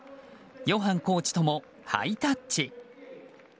ヨハンコーチともハイタッチ！